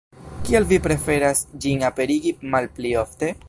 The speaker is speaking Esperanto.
Kial vi preferas ĝin aperigi malpli ofte?